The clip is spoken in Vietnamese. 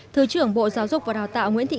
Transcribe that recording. thứ trưởng bộ giáo dục và đào tạo nguyễn thị